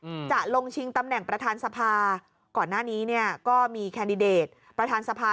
อืมจะลงชิงตำแหน่งประธานสภาก่อนหน้านี้เนี้ยก็มีแคนดิเดตประธานสภา